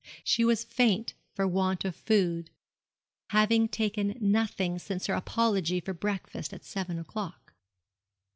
She was faint for want of food, having taken nothing since her apology for breakfast at seven o'clock.